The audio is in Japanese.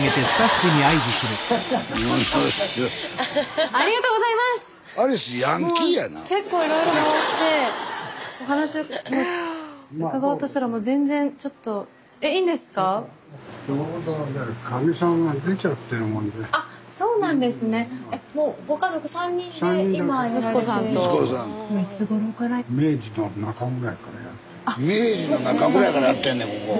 スタジオ明治の中ぐらいからやってんねんここ！